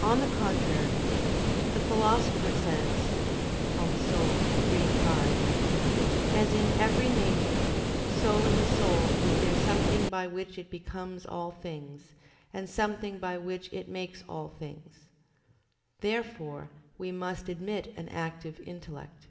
On the contrary, The Philosopher says (De Anima iii, 5), "As in every nature, so in the soul is there something by which it becomes all things, and something by which it makes all things." Therefore we must admit an active intellect.